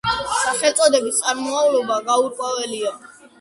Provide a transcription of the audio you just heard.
სახელწოდების წარმომავლობა გაურკვეველია.